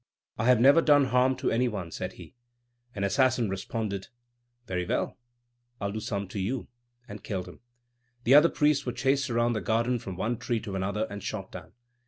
"I have never done harm to any one," said he. An assassin responded: "Very well; I'll do some to you," and killed him. The other priests were chased around the garden from one tree to another, and shot down.